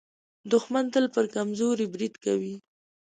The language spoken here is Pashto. دښمن تل پر کمزوري برید کوي